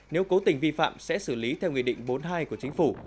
nếu cố tình vi phạm sẽ xử lý theo nghị định bốn mươi hai của chính phủ